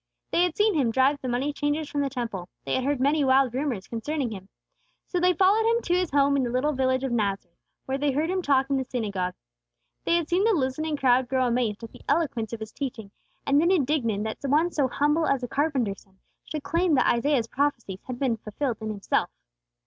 They had seen Him drive the moneychangers from the Temple; they had heard many wild rumors concerning Him. So they followed Him to His home in the little village of Nazareth, where they heard Him talk in the synagogue. They had seen the listening crowd grow amazed at the eloquence of His teaching, and then indignant that one so humble as a carpenter's son should claim that Isaiah's prophecies had been fulfilled in Himself.